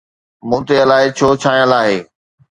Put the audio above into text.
مون تي الائي ڇو ڇانيل آهي؟